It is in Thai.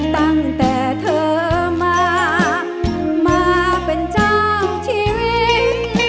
ตั้งแต่เธอมามาเป็นเจ้าชีวิต